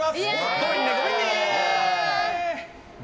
ごめんね、ごめんね！